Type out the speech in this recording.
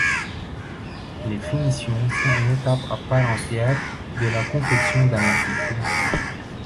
Les finitions sont une étape à part entière de la confection d’un article.